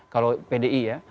kalau pdi ya